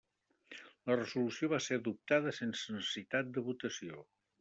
La resolució va ser adoptada sense necessitat de votació.